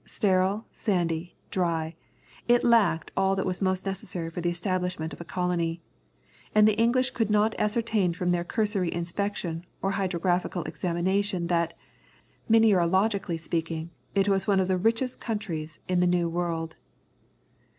Sterile, sandy, dry, it lacked all that was most necessary for the establishment of a colony. And the English could not ascertain from their cursory inspection or hydrographical examination that, mineralogically speaking, it was one of the richest countries of the New World.